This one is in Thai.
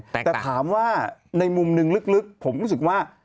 แต่ถามว่าในมุมหนึ่งลึกผมรู้สึกว่า